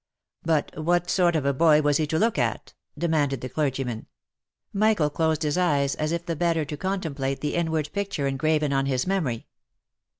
" But what sort of a boy was he to look at V demanded the clergyman. Michael closed his eyes as if the better to contemplate the inward picture engraven on his memory.